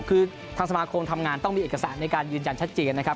คือทางสมาคมทำงานต้องมีเอกสารในการยืนยันชัดเจนนะครับ